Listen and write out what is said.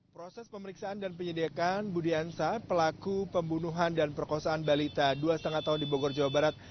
proses pemeriksaan dan penyediakan budiansa pelaku pembunuhan dan perkosaan balita dua lima tahun di bogor jawa barat